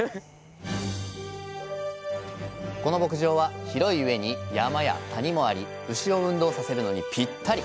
この牧場は広いうえに山や谷もあり牛を運動させるのにピッタリ。